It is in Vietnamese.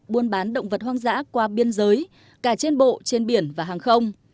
buôn bán động vật hoang dã qua biên giới cả trên bộ trên biển và hàng không